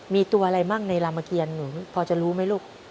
มีตัวอะไรมั่งในรามเกียรหนูพอจะรู้ไหมลูก